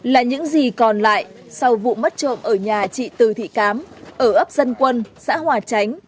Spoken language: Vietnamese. là những gì còn lại sau vụ mất trộm ở nhà chị từ thị cám ở ấp dân quân xã hòa chánh